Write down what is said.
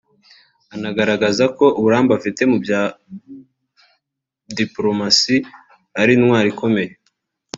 anagaragaza ko uburambe afite mu bya Dipolomasi ari intwaro ikomeye